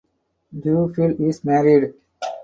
Duffield is married.